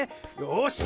よし！